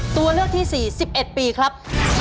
ตัวเลือกที่สี่สิบเอ็ดปีครับ